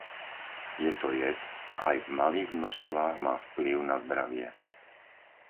Je to jed a aj v malých množstvách má vplyv na zdravie.